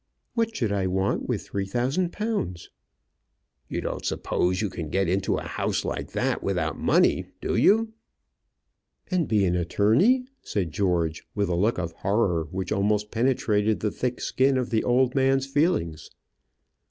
"What should I want with three thousand pounds?" "You don't suppose you can get into a house like that without money, do you?" "And be an attorney?" said George, with a look of horror which almost penetrated the thick skin of the old man's feelings.